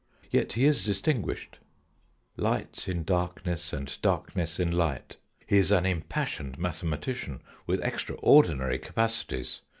Yet he is distinguished light in darkness and darkness in light. He is an impassioned mathematician with extraordinary capacities.